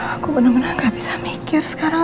aku bener bener gak bisa mikir sekarang